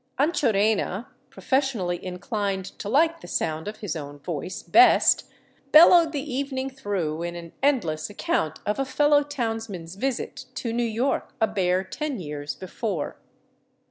Anchorena, professionally inclined to like the sound of his own voice best, bellowed the evening through in an endless account of a fellow townsman's visit to New York a bare ten years before.